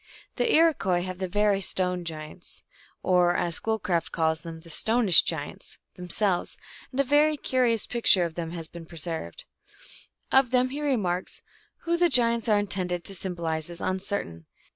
The Iroquois have the very stone giants or, as Schoolcraft calls them, the stonish giants them selves, and a very curious picture of them has been preserved. 2 Of them ho remarks, "Who the giants are intended to symbolize is uncertain.